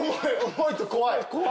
重いと怖い。